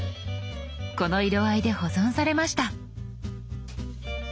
この色合いで保存されました。